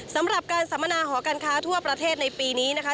สำหรับการสัมมนาหอการค้าทั่วประเทศในปีนี้นะคะ